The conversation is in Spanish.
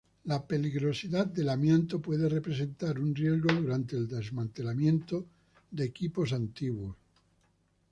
La peligrosidad del amianto puede representar un riesgo durante el desmantelamiento de equipos antiguos.